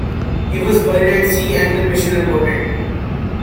He was buried at sea and the mission aborted.